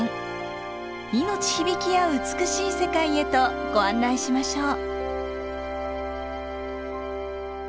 命響きあう美しい世界へとご案内しましょう。